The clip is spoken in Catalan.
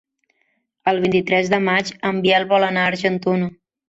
El vint-i-tres de maig en Biel vol anar a Argentona.